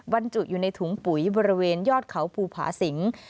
บรรจุอยู่ในถุงปุ๋ยบริเวณยอดเขาภูผาสิง